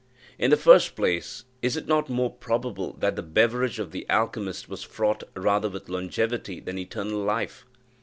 In the first place, is it not more probably that the beverage of the alchymist was fraught rather with longevity than eternal life?